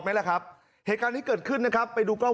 ไหมล่ะครับเหตุการณ์นี้เกิดขึ้นนะครับไปดูกล้อง